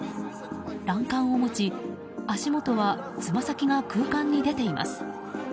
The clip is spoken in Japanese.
欄干を持ち足元はつま先が空間に出ています。